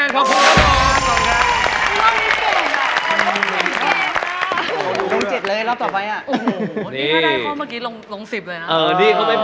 ก็คือหนอนลายทาง